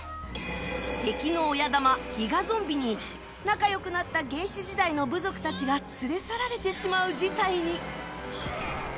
敵の親玉ギガゾンビに仲良くなった原始時代の部族たちが連れ去られてしまう事態に。